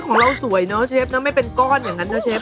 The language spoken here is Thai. ของเราสวยเนาะเชฟนะไม่เป็นก้อนอย่างนั้นนะเชฟ